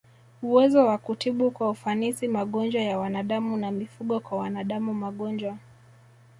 uwezo wa kutibu kwa ufanisi magonjwa ya wanadamu na mifugo Kwa wanadamu magonjwa